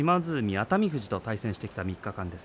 熱海富士と対戦してきた３日間。